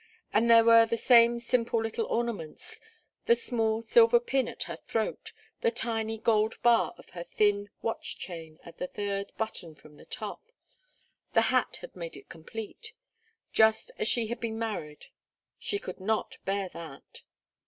And there were the same simple little ornaments, the small silver pin at her throat, the tiny gold bar of her thin watch chain at the third button from the top the hat had made it complete just as she had been married. She could not bear that.